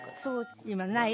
今ない？